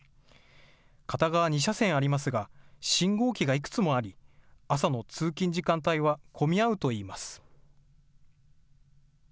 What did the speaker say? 片側２車線ありますが信号機がいくつもあり朝の通勤時間帯は混み合うといいます。